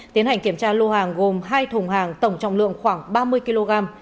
tiến hành kiểm tra lô hàng gồm hai thùng hàng tổng trọng lượng khoảng ba mươi kg